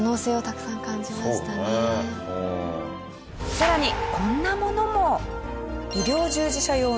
さらにこんなものも。